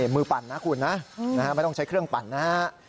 ปั่นนะคุณนะไม่ต้องใช้เครื่องปั่นนะฮะ